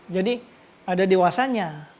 jadi ada dewasanya